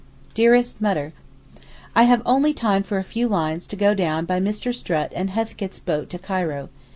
DEAREST MUTTER, I have only time for a few lines to go down by Mr. Strutt and Heathcote's boat to Cairo.